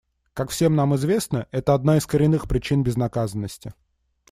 Как всем нам известно, это одна из коренных причин безнаказанности.